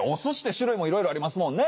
種類もいろいろありますもんね。